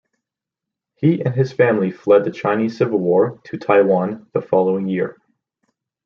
He and his family fled the Chinese Civil War to Taiwan the following year.